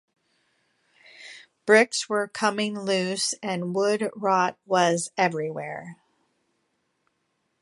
Bricks were coming loose and wood rot was everywhere.